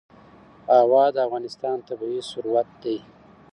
هوا د افغانستان طبعي ثروت دی.